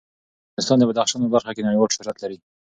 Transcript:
افغانستان د بدخشان په برخه کې نړیوال شهرت لري.